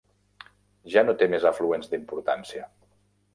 Ja no té més afluents d'importància.